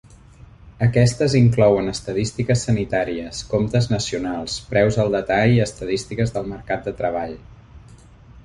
Aquestes inclouen estadístiques sanitàries, comptes nacionals, preus al detall i estadístiques del mercat de treball.